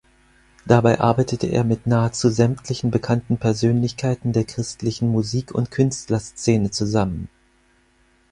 Dabei arbeitete er mit nahezu sämtlichen bekannten Persönlichkeiten der christlichen Musik- und Künstlerszene zusammen.